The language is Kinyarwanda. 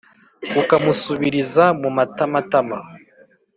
ukamusubiriza mu matamatama